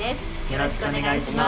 よろしくお願いします。